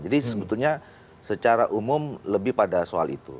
jadi sebetulnya secara umum lebih pada soal itu